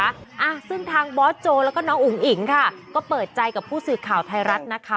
อ่ะซึ่งทางบอสโจแล้วก็น้องอุ๋งอิ๋งค่ะก็เปิดใจกับผู้สื่อข่าวไทยรัฐนะคะ